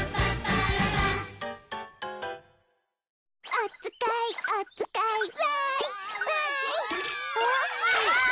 「おつかいおつかい」「わいわい」わまてまて。